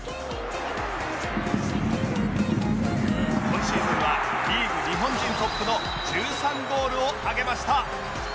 今シーズンはリーグ日本人トップの１３ゴールを挙げました！